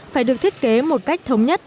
phải được thiết kế một cách thống nhất